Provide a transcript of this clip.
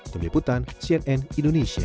kemiliputan cnn indonesia